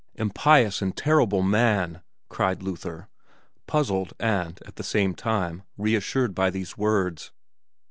"Impious and terrible man!" cried Luther, puzzled and, at the same time, reassured by these words.